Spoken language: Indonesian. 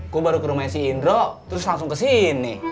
gue baru ke rumahnya si indro terus langsung kesini